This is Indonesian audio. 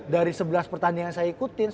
dari sebelas pertandingan saya ikutin